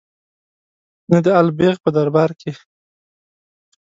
نه د الغ بېګ په دربار کې.